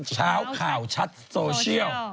เช้าข่าวชัดโซเชียล